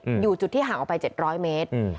อยู่จุดที่ห่างออกไปเจ็ดร้อยเมตรอืม